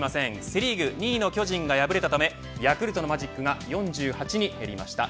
セ・リーグ、２位の巨人が敗れたためヤクルトのマジックが４８に減りました。